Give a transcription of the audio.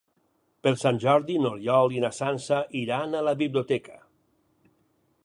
Per Sant Jordi n'Oriol i na Sança iran a la biblioteca.